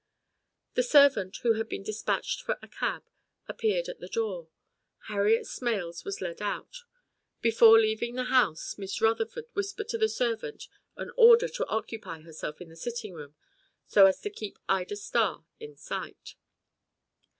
The servant, who had been despatched for a cab, appeared at the door. Harriet Smales was led out. Before leaving the house, Miss Rutherford whispered to the servant an order to occupy herself in the sitting room, so as to keep Ida Starr in sight.